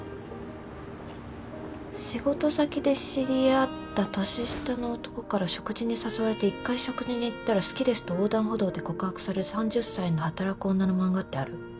仕事先で知り合った年下の男から食事に誘われて一回食事に行ったら好きですと横断歩道で告白され３０歳の働く女の漫画ってある？